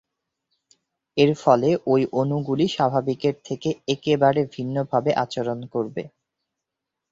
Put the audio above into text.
এর ফলে ওই অণুগুলি স্বাভাবিকের থেকে একেবারে ভিন্ন ভাবে আচরণ করবে।